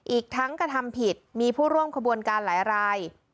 อีกทั้งกระทำผิดมีผู้ร่วมขบวนการหลายราย